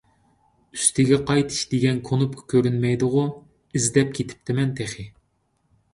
«ئۈستىگە قايتىش» دېگەن كۇنۇپكا كۆرۈنمەيدىغۇ؟ ئىزدەپ كېتىپتىمەن تېخى.